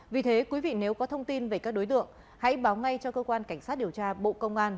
vì thế quý vị nếu có thông tin về các đối tượng hãy báo ngay cho cơ quan cảnh sát điều tra bộ công an